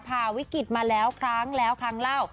ผ่าวิกฤตมาแล้วครั้งแล้วครั้งเล่า